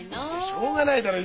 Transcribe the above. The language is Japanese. しょうがないだろ。